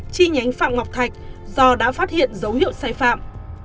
chi nhánh phạm ngọc thạch do đã phát hiện dấu hiệu sai phạm